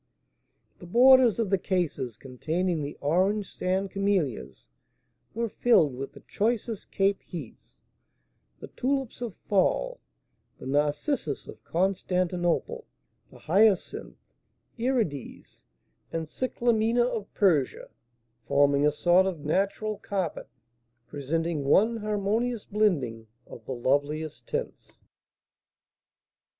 The borders of the cases containing the orange sand camellias were filled with the choicest cape heaths, the tulips of Thol, the narcissus of Constantinople, the hyacinth, irides, and cyclamina of Persia; forming a sort of natural carpet, presenting one harmonious blending of the loveliest tints.